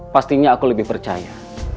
pastinya aku lebih percaya